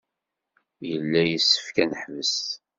Yella yessefk ad neḥbes.